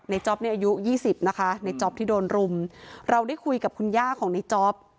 จ๊อปเนี่ยอายุยี่สิบนะคะในจ๊อปที่โดนรุมเราได้คุยกับคุณย่าของในจ๊อป